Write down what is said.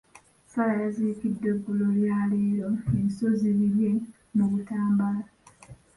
Sarah yaziikiddwa eggulo lyaleero e Nsozibbirye mu Butambala.